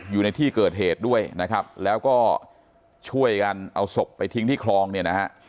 อยู่ในที่เกิดเหตุด้วยนะครับแล้วก็ช่วยกันเอาศพไปทิ้งที่คลองเนี่ยนะฮะ